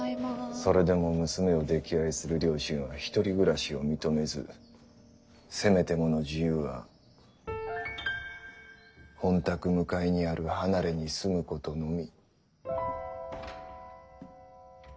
それでも娘を溺愛する両親はひとり暮らしを認めずせめてもの自由は本宅向かいにある離れに住むことのみ。